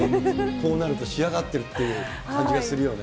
こうなると仕上がってるっていう感じがするよね。